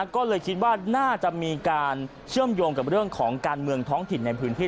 ก็เลยคิดว่าน่าจะมีการเชื่อมโยงกับเรื่องของการเมืองท้องถิ่นในพื้นที่